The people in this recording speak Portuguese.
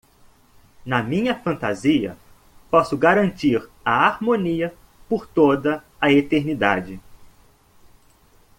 Na minha fantasia, posso garantir a harmonia por toda a eternidade.